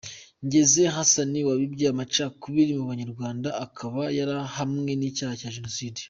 Ngeze Hassan wabibye amacakubiri mubanyarwanda akaba yarahamwe n’icyaha cya Jenoside